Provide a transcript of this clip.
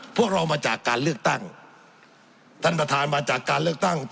พวกเรามาจากการเลือกตั้งท่านประธานมาจากการเลือกตั้ง